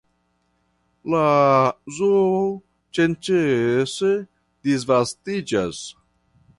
La zoo senĉese disvastiĝas.